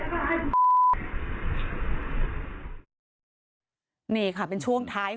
มีชายแปลกหน้า๓คนผ่านมาทำทีเป็นช่วยค่างทาง